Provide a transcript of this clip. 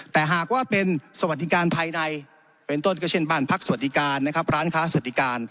แต่หากว่าเป็นสวัสดิการภายในเป็นต้นก็เช่นบ้านพักสวัสดิการนะครับร้านค้าสวัสดิการ